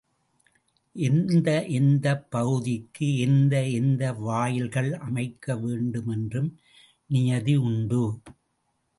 எந்த எந்தப் பகுதிக்கு எந்த எந்த வாயில்கள் அமைக்க வேண்டும் என்றும் நியதி உண்டு.